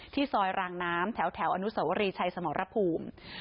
ซอยรางน้ำแถวอนุสวรีชัยสมรภูมิ